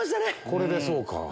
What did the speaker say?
これでそうか。